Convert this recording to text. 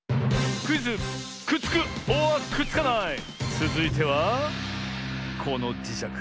つづいてはこのじしゃく。